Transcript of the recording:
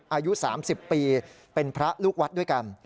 อายุ๓๐ปีเป็นพระลูกวัดด้วยกัน